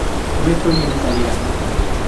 No estoy en esa liga.